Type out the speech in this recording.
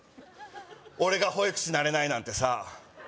俺が保育士になれないなんてさ